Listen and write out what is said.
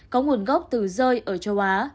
có nguồn gốc từ rơi ở châu á